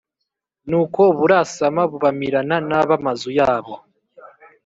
nuko burasama bubamirana n ab amazu yabo